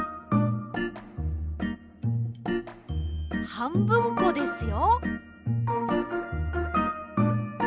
はんぶんこですよ。